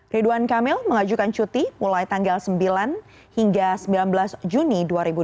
ridwan kamil mengajukan cuti mulai tanggal sembilan hingga sembilan belas juni dua ribu dua puluh